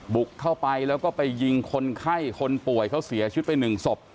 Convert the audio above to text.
บุกเข้าไปแล้วก็ไปยิงคนไข้คนป่วยเขาเสียชีวิตไปหนึ่งศพ